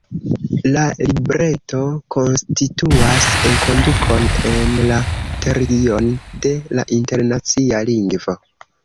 La libreto konstituas enkondukon en la teorion de la Internacia Lingvo.